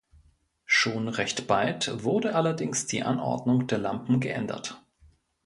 Schon recht bald wurde allerdings die Anordnung der Lampen geändert.